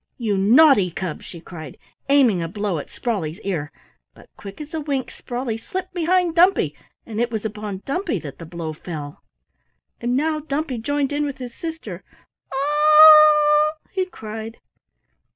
"You naughty cub," she cried, aiming a blow at Sprawley's ear. But quick as a wink Sprawley slipped behind Dumpy, and it was upon Dumpy that the blow fell. And now Dumpy joined in with his sister. "Ou u u!" he cried.